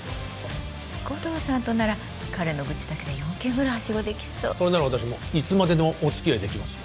護道さんとなら彼の愚痴だけで４軒ぐらいハシゴできそうそれなら私もいつまででもおつきあいできますよ